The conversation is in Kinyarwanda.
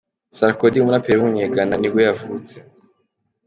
Sarkodie, umuraperi w’umunye-Ghana nibwo yavutse.